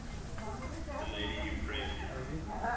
THE LADY EUPHRASIA.